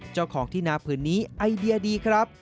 เจ้าของที่นาผืนนี้ไอเดียดีครับ